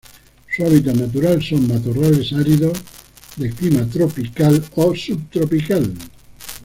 Su hábitat natural son: matorrales áridos Clima tropical o subtropical